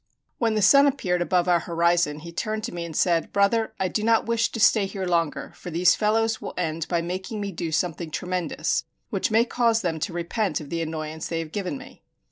When the sun appeared above our horizon he turned to me and said, "Brother, I do not wish to stay here longer, for these fellows will end by making me do something tremendous, which may cause them to repent of the annoyance they have given me."